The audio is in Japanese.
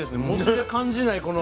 もちで感じない